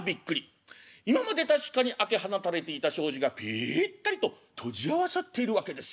今まで確かに開け放たれていた障子がピッタリと閉じ合わさっているわけですよ。